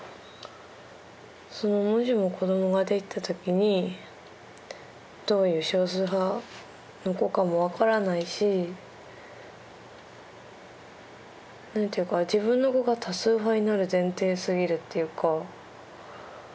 もしも子どもができた時にどういう少数派の子かも分からないし何ていうか自分の子が多数派になる前提すぎるっていうか。